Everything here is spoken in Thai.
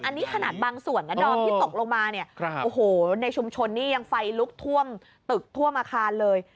อันนี้ขนาดบางส่วนนะดอมที่ตกลงมาเนี่ยโอ้โหในชุมชนนี่ยังไฟลุกท่วมตึกท่วมอาคารเลย